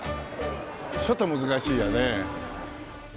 ちょっと難しいよね。